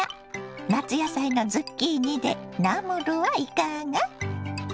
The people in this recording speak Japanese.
夏野菜のズッキーニでナムルはいかが。